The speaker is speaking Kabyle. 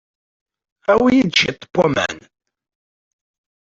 Awey-iyi-d cwiṭ n waman.